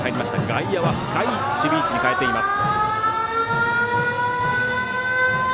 外野は深い守備位置に変えています。